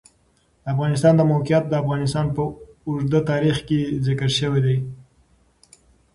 د افغانستان د موقعیت د افغانستان په اوږده تاریخ کې ذکر شوی دی.